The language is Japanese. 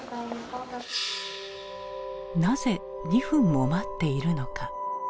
なぜ２分も待っているのか。